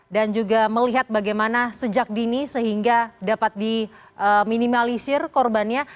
dan juga melihat bagaimana sejak dini sehingga dapat diminimalisir korbannya